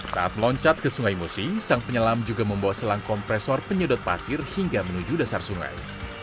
saat meloncat ke sungai musi sang penyelam juga membawa selang kompresor penyedot pasir hingga menuju dasar sungai